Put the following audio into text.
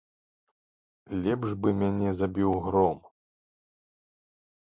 Лепш бы мяне забіў гром.